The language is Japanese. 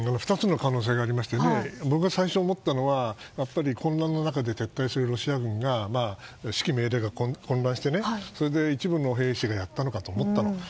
２つの可能性がありまして僕が最初に思ったのはやっぱり混乱の中で撤退するロシア軍が指揮命令が混乱してそれで一部の兵士がやったのかと思ったの。